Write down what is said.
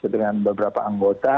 dengan beberapa anggota